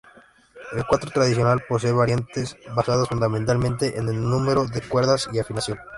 El cuatro tradicional posee variantes basadas fundamentalmente en el número de cuerdas y afinación.